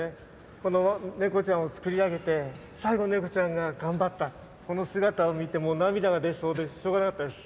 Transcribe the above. このネコちゃんを作り上げて最後ネコちゃんが頑張ったこの姿を見てもう涙が出そうでしょうがなかったです。